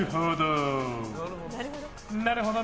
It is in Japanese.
なるほど。